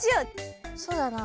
そうだね！